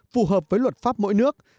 phù hợp với luật pháp mỗi nước